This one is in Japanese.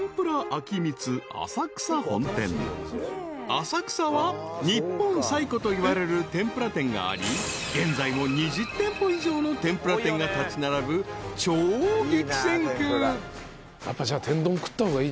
［浅草は日本最古といわれる天ぷら店があり現在も２０店舗以上の天ぷら店が立ち並ぶ超激戦区］